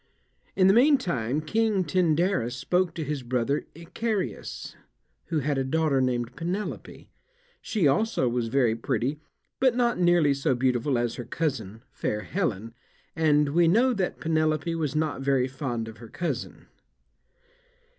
In the meantime King Tyndarus spoke to his brother Icarius, who had a daughter named Penelope. She also was very pretty, but not nearly so beautiful as her cousin, fair Helen, and we know that Penelope was not very fond of her cousin.